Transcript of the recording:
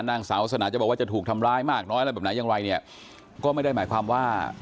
นางสาววาสนาจะบอกว่าจะถูกทำร้ายมากน้อยอะไรแบบไหนอย่างไรเนี่ยก็ไม่ได้หมายความว่า